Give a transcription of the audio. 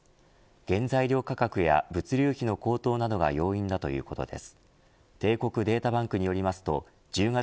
原材料価格や物流費の高騰などが要因だということです。